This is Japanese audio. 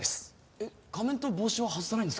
えっ仮面と帽子は外さないんですか？